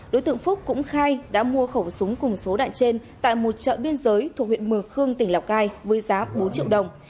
đối tượng phúc cũng khai đã mua khẩu súng cùng số đạn trên tại một chợ biên giới thuộc huyện mường khương tỉnh lào cai với giá bốn triệu đồng